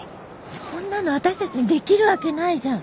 そんなの私たちにできるわけないじゃん！